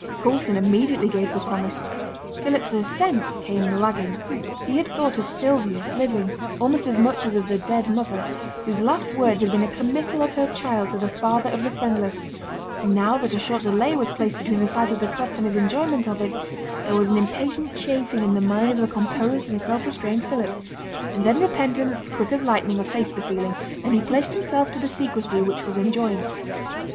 Coulson immediately gave the promise. Philip's assent came lagging. He had thought of Sylvia living, almost as much as of the dead mother, whose last words had been a committal of her child to the Father of the friendless; and now that a short delay was placed between the sight of the cup and his enjoyment of it, there was an impatient chafing in the mind of the composed and self restrained Philip; and then repentance quick as lightning effaced the feeling, and he pledged himself to the secrecy which was enjoined.